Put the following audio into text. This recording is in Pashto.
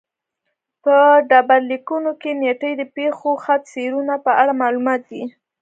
په ډبرلیکونو کې نېټې د پېښو خط سیرونو په اړه معلومات دي